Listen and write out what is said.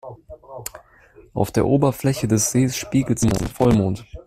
Auf der Oberfläche des Sees spiegelt sich der Vollmond.